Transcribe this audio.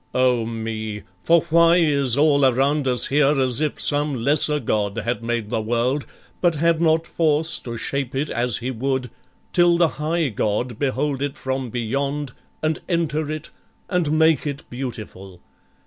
O me! for why is all around us here As if some lesser god had made the world, But had not force to shape it as he would, Till the High God behold it from beyond, And enter it, and make it beautiful?